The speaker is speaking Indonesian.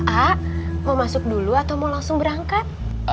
a mau masuk dulu atau mau langsung berangkat